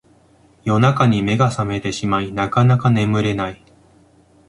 夜中に目が覚めてしまいなかなか眠れない